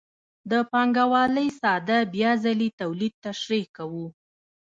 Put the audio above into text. د پانګوالۍ ساده بیا ځلي تولید تشریح کوو